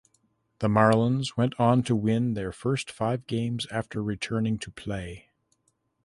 The Marlins went on to win their first five games after returning to play.